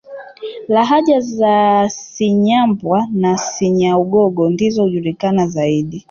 Lahaja za Cinyambwa na Cinyaugogo ndizo hujulikana zaidi